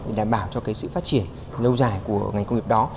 để đảm bảo cho sự phát triển lâu dài của ngành công nghiệp đó